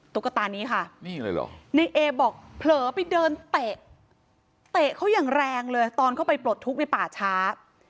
ตุ๊กตานี้ค่ะนี่เลยเหรอในเอบอกเผลอไปเดินเตะเตะเขาอย่างแรงเลยตอนเข้าไปปลดทุกข์ในป่าช้า